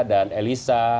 dan elisa sukar